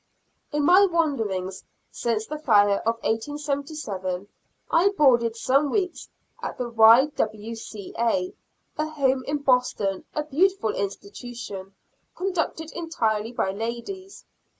In my wanderings since the fire of 1877, I boarded some weeks at the Y. W. C. A. home in Boston, a beautiful institution, conducted entirely by ladies.